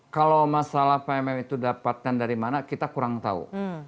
kalau masalah pmm itu dapatkan dari mana kita kurang tahu